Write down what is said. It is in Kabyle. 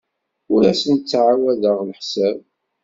Ur asent-ttɛawadeɣ leḥsab.